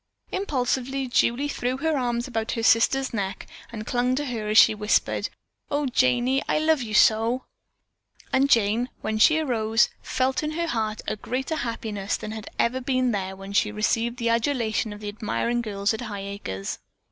Impulsively Julie threw her arms about her sister's neck and clung to her as she whispered: "Oh, Janey, I love you so!" And Jane, when she arose, felt in her heart a greater happiness than had ever been there when she had received the adulation of the admiring girls at Highacres.